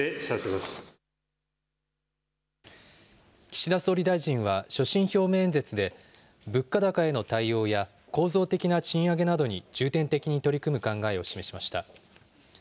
岸田総理大臣は所信表明演説で、物価高への対応や、構造的な賃上げなどに重点的に取り組む考えを示しました。